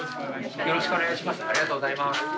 よろしくお願いします。